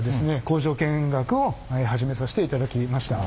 工場見学を始めさせていただきました。